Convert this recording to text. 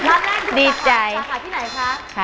นัดแรกสาขาที่ไหนคะ